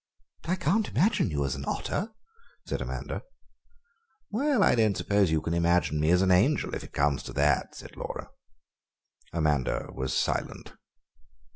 "I can't imagine you as an otter," said Amanda. "Well, I don't suppose you can imagine me as an angel, if it comes to that," said Laura. Amanda was silent.